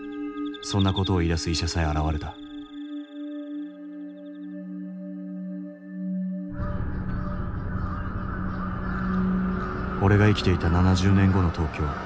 そんな事を言いだす医者さえ現れた俺が生きていた７０年後の東京。